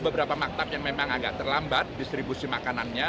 beberapa maktab yang memang agak terlambat distribusi makanannya